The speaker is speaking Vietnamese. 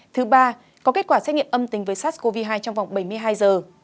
thứ ba có kết quả xét nghiệm âm tính với sars cov hai trong vòng bảy mươi hai giờ